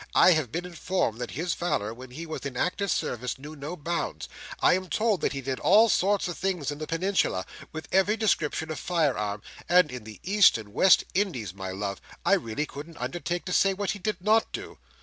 I have been informed that his valour, when he was in active service, knew no bounds. I am told that he did all sorts of things in the Peninsula, with every description of fire arm; and in the East and West Indies, my love, I really couldn't undertake to say what he did not do."